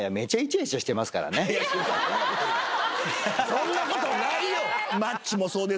そんなことないよ！